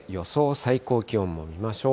最高気温も見ましょう。